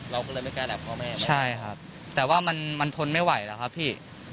เราก็เลยไม่กล้าหลับพ่อแม่ใช่ครับแต่ว่ามันทนไม่ไหวแล้วครับพี่